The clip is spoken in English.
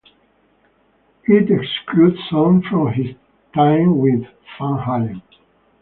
It excludes songs from his time with Van Halen.